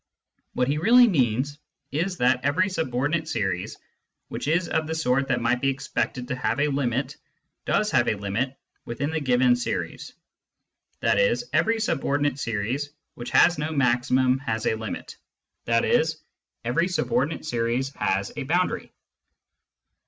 What he really means is that every subordinate series which is of the sort that might be ex pected to have a limit does have a limit within the given series ; i.e. every subordinate series which has no maximum has a limit, i.e. every subordinate series has a boundary.